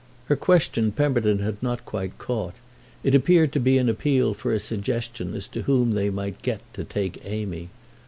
Her question Pemberton had not quite caught; it appeared to be an appeal for a suggestion as to whom they might get to take Amy.